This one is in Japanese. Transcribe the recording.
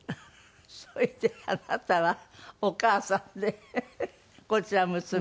それであなたはお母さんでこちら娘？